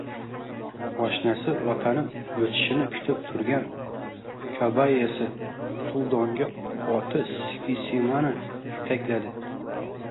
Oshnasi Otanini o`tishini kutib turgan Kobayasi suvdonga oti Sikisimani etakladi